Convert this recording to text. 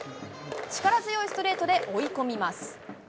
力強いストレートで追い込みます。